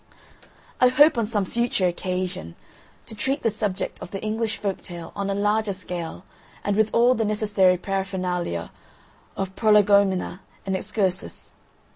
I hope on some future occasion to treat the subject of the English Folk tale on a larger scale and with all the necessary paraphernalia of prolegomena and excursus.